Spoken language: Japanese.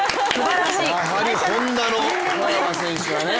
やっぱＨｏｎｄａの小山選手ですね。